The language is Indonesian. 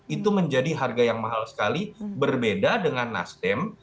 itu menjadi harga yang mahal sekali berbeda dengan nasdem